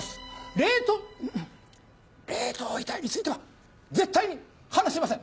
冷凍遺体については絶対に話しません。